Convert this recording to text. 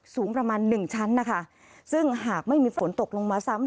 สูงประมาณหนึ่งชั้นนะคะซึ่งหากไม่มีฝนตกลงมาซ้ำ